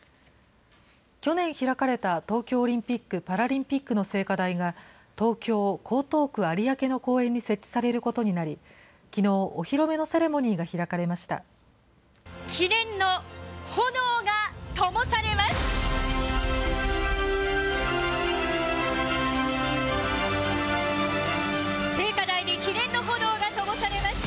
去年開かれた東京オリンピック・パラリンピックの聖火台が東京・江東区有明の公園に設置されることになり、きのう、お披露目のセ記念の炎がともされます。